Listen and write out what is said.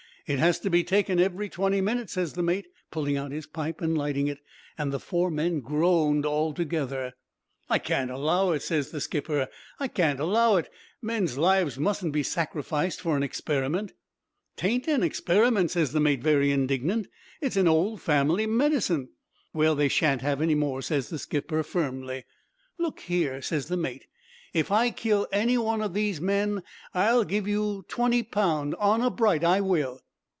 "'It has to be taken every twenty minutes,' ses the mate, pulling out his pipe and lighting it; an' the four men groaned all together. "'I can't allow it,' ses the skipper, 'I can't allow it. Men's lives mustn't be sacrificed for an experiment.' "''Tain't a experiment,' ses the mate very indignant, 'it's an old family medicine.' "'Well, they shan't have any more,' ses the skipper firmly. "'Look here,' ses the mate. 'If I kill any one o' these men, I'll give you twenty pound. Honor bright, I will.'